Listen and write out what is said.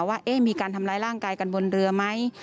ว่ามีการทำร้ายร่างกายกันบนเรือไหม